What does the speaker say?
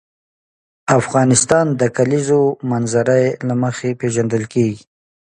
افغانستان د د کلیزو منظره له مخې پېژندل کېږي.